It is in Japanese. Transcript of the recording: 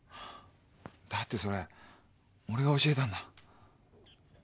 だってそれ俺が教えたんだ。